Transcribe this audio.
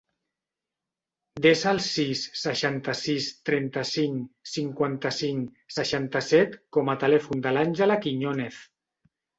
Desa el sis, seixanta-sis, trenta-cinc, cinquanta-cinc, seixanta-set com a telèfon de l'Àngela Quiñonez.